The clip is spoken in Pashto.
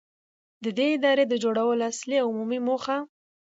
، د دې ادارې د جوړولو اصلي او عمومي موخه.